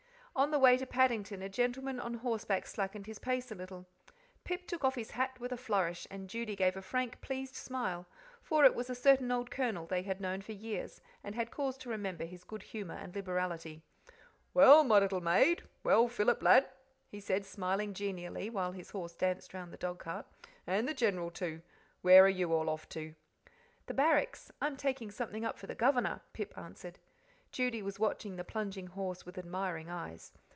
On the way to Paddington a gentleman on horseback slackened pace a little. Pip took off his hat with a flourish, and Judy gave a frank, pleased smile, for it was a certain old Colonel they had known for years, and had cause to remember his good humour and liberality. "Well, my little maid well, Philip, lad," he said, smiling genially, while his horse danced round the dogcart "and the General too where are you all off to?" "The Barracks I'm taking something up for the governor," Pip answered, Judy was watching the plunging horse with admiring eyes.